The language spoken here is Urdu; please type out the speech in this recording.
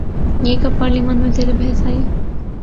یہ کب پارلیمان میں زیر بحث آئی؟